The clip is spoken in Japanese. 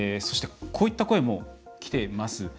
そしてこういった声もきています。